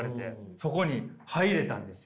そこに入れたんですよ